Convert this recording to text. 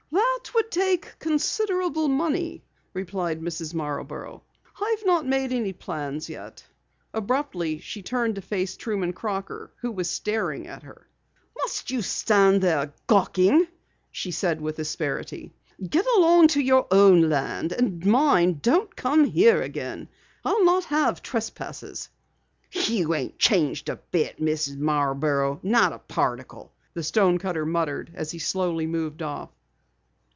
"That would take considerable money," replied Mrs. Marborough. "I've not made any plans yet." Abruptly she turned to face Truman Crocker who was staring at her. "Must you stand there gawking?" she asked with asperity. "Get along to your own land, and mind, don't come here again. I'll not have trespassers." "You ain't changed a bit, Mrs. Marborough, not a particle," the stonecutter muttered as he slowly moved off.